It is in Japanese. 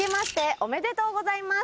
おめでとうございます。